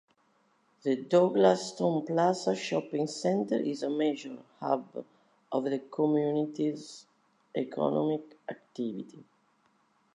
The Douglaston Plaza Shopping Center is a major hub of the community's economic activity.